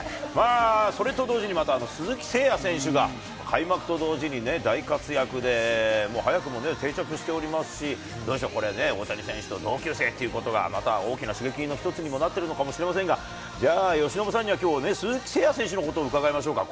それと同時にまた鈴木誠也選手が、開幕と同時にね、大活躍で、もう早くも定着しておりますし、どうでしょう、これ、大谷選手と同級生ということがまた大きな刺激の一つにもなっているのかもしれませんが、じゃあ、由伸さんには、きょうね、鈴木誠也選手のことを伺いましょうか。